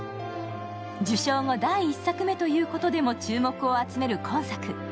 受賞後第１作目ということでも注目を集める今作。